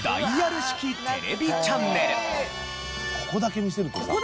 ここだけ見せるとさ。